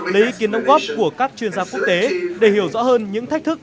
lấy ý kiến đóng góp của các chuyên gia quốc tế để hiểu rõ hơn những thách thức